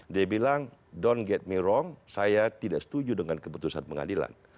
dia bilang don't get me wrong saya tidak setuju dengan keputusan pengadilan